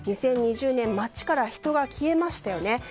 ２０２０年街から人が消えましたよね。